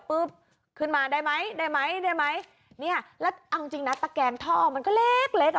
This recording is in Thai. ขึ้นมาได้ไหมได้ไหมได้ไหมได้ไหมเนี่ยแล้วเอาจริงจริงนะตะแกงท่อมันก็เล็กเล็กอ่ะ